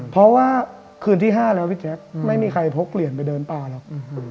เพราะว่าคืนที่๕แล้วพี่แจ๊คไม่มีใครพกเหรียญไปเดินป่าหรอก